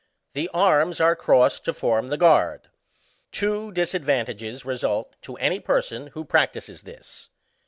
The arms are crossed to form the guard. Two disadvantages result to any person who practises this.